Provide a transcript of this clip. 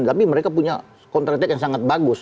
tapi mereka punya counter attack yang sangat bagus